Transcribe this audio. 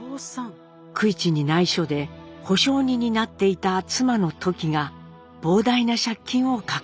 九一にないしょで保証人になっていた妻のトキが膨大な借金を抱えたのです。